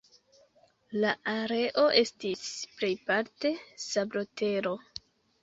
La areo estis plejparte sablotero.